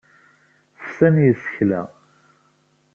Fsan yisekla.